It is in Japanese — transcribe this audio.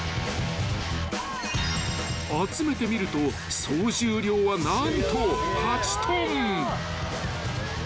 ［集めてみると総重量は何と８ｔ］